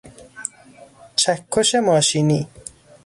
چکش ماشینی